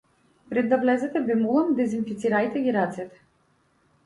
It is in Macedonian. „Пред да влезете ве молиме дезинфицирајте ги рацете“